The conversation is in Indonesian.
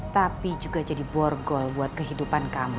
tapi juga jadi borgol buat kehidupan kamu